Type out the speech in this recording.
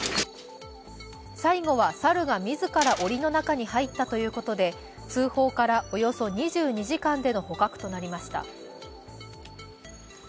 最後は猿が自らおりの中に入ったということで通報からおよそ２２時間での捕獲となりました。